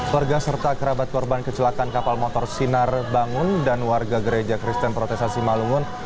warga serta kerabat korban kecelakaan kapal motor sinar bangun dan warga gereja kristen protesa simalungun